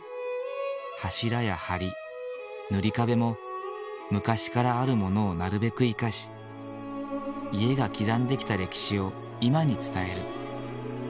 柱や梁塗り壁も昔からあるものをなるべく生かし家が刻んできた歴史を今に伝える。